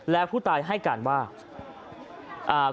แล้วผู้ตายให้การว่าอ่า